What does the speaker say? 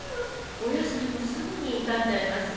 お野菜もすぐに傷んじゃいますし。